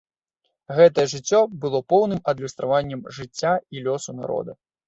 Гэтае жыццё было поўным адлюстраваннем жыцця і лёсу народа.